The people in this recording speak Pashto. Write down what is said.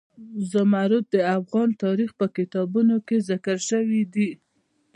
زمرد د افغان تاریخ په کتابونو کې ذکر شوی دي.